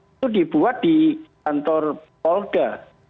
itu dibuat di kantor polda